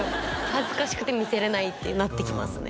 恥ずかしくて見せれないってなってきますね